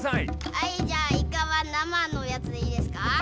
あいじゃあイカは生のやつでいいですか？